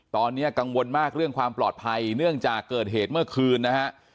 ตอนนี้กังวลมากเรื่องความปลอดภัยเนื่องจากเกิดเหตุเมื่อคืนนะฮะ